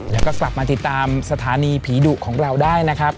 แล้วก็กลับมาติดตามสถานีผีดุของเราได้นะครับ